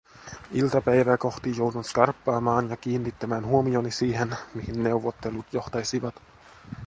Iltapäivää kohti joudun skarppaamaan ja kiinnittämään huomioni siihen, mihin neuvottelut johtaisivat.